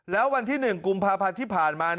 แล้ววันที่๑กุมภาพันธ์ที่ผ่านมา